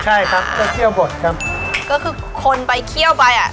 ใช่ครับก็เที่ยวหมดครับก็คือคนไปเที่ยวไปอ่ะ